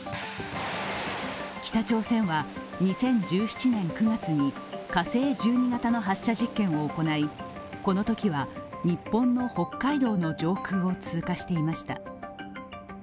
北朝鮮は、２０１７年９月に火星１２型の発射実験を行いこのときは、日本の北海道の上空を通過していました。